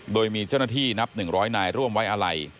โดยมีเจ้าหน้าที่นับ๑๐๐นายร่วมไว้อาลัย